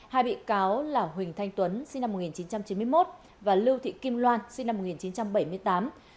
hai bị cáo là huỳnh thanh tuấn sinh năm một nghìn chín trăm chín mươi một và lưu thị kim loan sinh năm một nghìn chín trăm bảy mươi tám